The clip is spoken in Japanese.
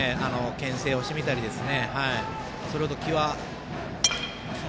けん制をしてみたりですね。